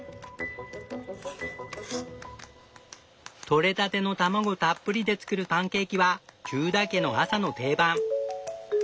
とれたての卵たっぷりで作るパンケーキはテューダー家の朝の定番。